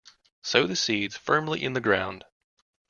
Sow the seeds firmly in the ground.